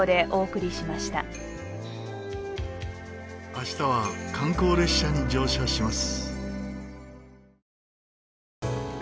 明日は観光列車に乗車します。